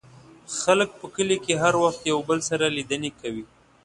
خلک په کلي کې هر وخت یو بل سره لیدنې کوي.